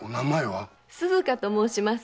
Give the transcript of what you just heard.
鈴華と申します。